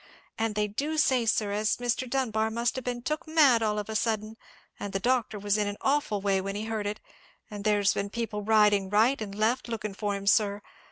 And they do say, sir, as Mr. Dunbar must have been took mad all of a sudden, and the doctor was in an awful way when he heard it; and there's been people riding right and left lookin' for him, sir.